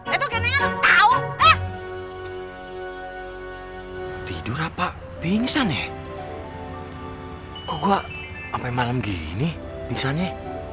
itu keneng tau tidur apa pingsan ya gua sampai malam gini pingsannya